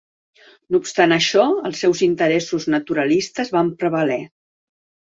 No obstant això, els seus interessos naturalistes van prevaler.